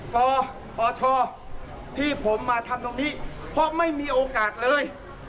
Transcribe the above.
ปปชที่ผมมาทำตรงนี้เพราะไม่มีโอกาสเลย